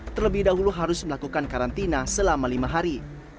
terlebih dahulu harus melakukan karantina selama lima hari